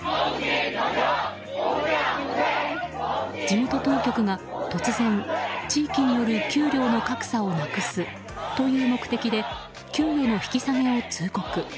地元当局が突然、地域による給料の格差をなくすという目的で給与の引き下げを通告。